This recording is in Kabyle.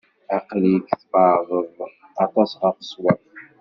Aql-ik tbeɛdeḍ aṭas ɣef ṣṣwab.